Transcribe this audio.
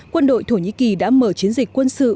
quân đội thổ nhĩ kỳ đã mở chiến dịch quân sự